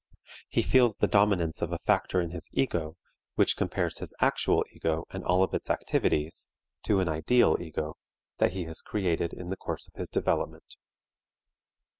He feels the dominance of a factor in his ego, which compares his actual ego and all of its activities to an ideal ego that he has created in the course of his development.